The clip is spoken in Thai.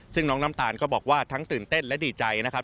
ซึ่งน้องน้ำตาลก็บอกว่าทั้งตื่นเต้นและดีใจนะครับ